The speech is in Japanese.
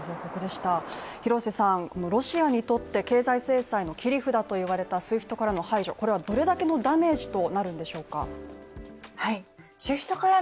ロシアにとって経済制裁の切り札と言われたＳＷＩＦＴからの排除はどれくらいのダメージになるんでしょうか。